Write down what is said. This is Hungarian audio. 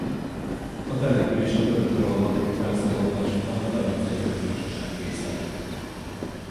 A település a török uralom alóli felszabadulás után a Velencei Köztársaság része lett.